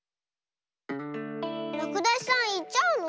らくだしさんいっちゃうの？